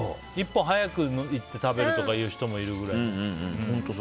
１本早く行って食べるとかいう人もいるくらい。